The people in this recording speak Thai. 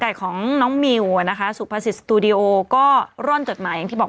ของน้องมิวนะคะสุภาษิตสตูดิโอก็ร่อนจดหมายอย่างที่บอก